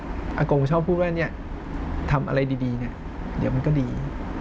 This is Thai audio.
อากงชอบพูดว่าเนี่ยทำอะไรดีเนี่ยเดี๋ยวมันก็ดี